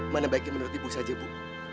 mana baiknya menurut ibu saja bu